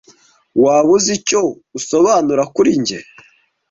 Waba uzi icyo usobanura kuri njye?